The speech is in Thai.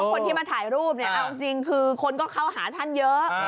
คนที่มาถ่ายรูปเนี่ยเอาจริงคือคนก็เข้าหาท่านเยอะ